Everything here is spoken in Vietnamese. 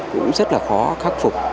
cũng rất là khó khắc phục